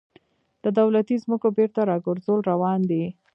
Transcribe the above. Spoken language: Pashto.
د دولتي ځمکو بیرته راګرځول روان دي